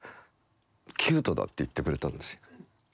「キュートだ」って言ってくれたんですよ。